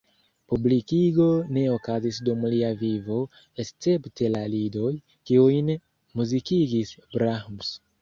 Publikigo ne okazis dum lia vivo, escepte la lidoj, kiujn muzikigis Brahms.